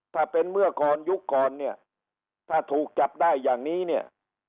ถ้าเป็นเมื่อกรยุคกรถ้าถูกจับได้อย่างนี้